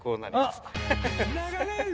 あっ！